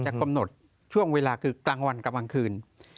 กำหนดช่วงเวลาคือกลางวันกับกลางคืน